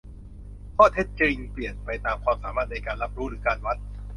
ข้อเท็จจริงเปลี่ยนไปตามความสามารถในการรับรู้หรือการวัด